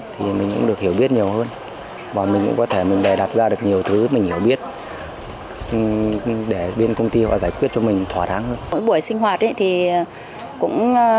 thì mình cũng được hiểu biết nhiều hơn và mình cũng có thể đề đặt ra được nhiều thứ mình hiểu biết để bên công ty giải quyết cho mình thỏa tháng hơn